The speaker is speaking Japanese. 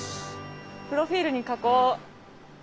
プロフィールに書こう。